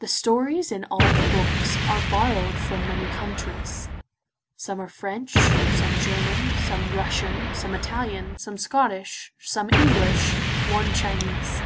The stories in all the books are borrowed from many countries; some are French, some German, some Russian, some Italian, some Scottish, some English, one Chinese.